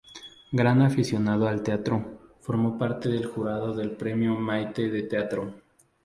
Gran aficionado al teatro, formó parte del jurado del Premio Mayte de Teatro.